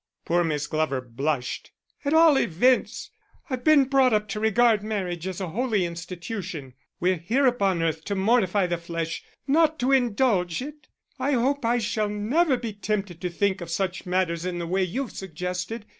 Poor Miss Glover blushed. "At all events I've been brought up to regard marriage as a holy institution. We're here upon earth to mortify the flesh, not to indulge it. I hope I shall never be tempted to think of such matters in the way you've suggested.